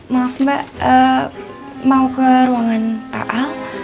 maaf mbak mau ke ruangan pak al